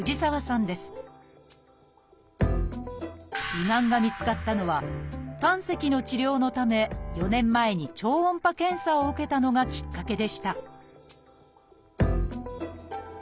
胃がんが見つかったのは胆石の治療のため４年前に超音波検査を受けたのがきっかけでした